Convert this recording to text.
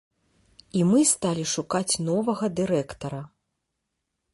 І мы сталі шукаць новага дырэктара.